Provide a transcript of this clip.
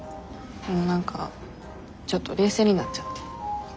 何かちょっと冷静になっちゃって。